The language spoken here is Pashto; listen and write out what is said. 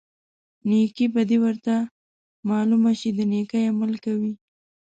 نیکې بدي ورته معلومه شي د نیکۍ عمل کوي.